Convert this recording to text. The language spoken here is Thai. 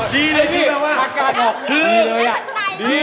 ดีเลยอ่ะดี